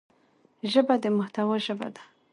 ژبه د محتوا ژبه ده